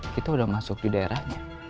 kita udah masuk di daerahnya